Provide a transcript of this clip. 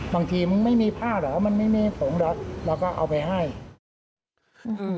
บางทีมันไม่มีพ่าเหรอมันไม่มีผงแล้วเราก็เอาไปใคร